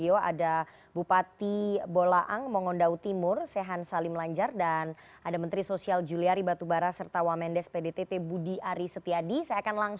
oke pak bupati nanti kita akan lanjutkan